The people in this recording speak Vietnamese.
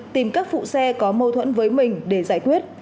tìm các phụ xe có mâu thuẫn với mình để giải quyết